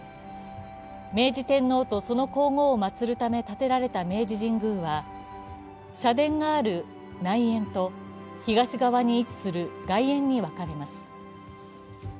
明治天皇とその皇后を祭るため建てられた明治神宮は、社殿がある内苑と東側に位置する外苑に分かれます。